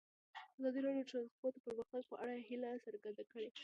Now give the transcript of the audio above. ازادي راډیو د ترانسپورټ د پرمختګ په اړه هیله څرګنده کړې.